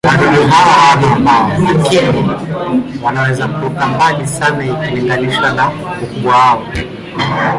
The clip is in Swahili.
Wadudu hao hawana mabawa, lakini wanaweza kuruka mbali sana ikilinganishwa na ukubwa wao.